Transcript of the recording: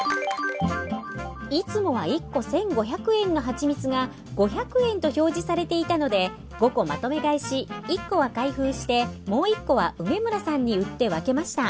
いつもは１個１，５００円のはちみつが５００円と表示されていたので５個まとめ買いし１個は開封してもう１個は梅村さんに売って分けました。